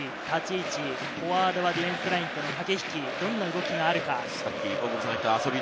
立ち位置、フォワードはディフェンスラインとの駆け引き、どんな動きがあるか。